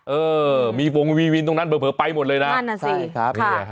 อื้อมีสงสัยวินตรงนั้นเผลอไปหมดเลยนะใช่ครับ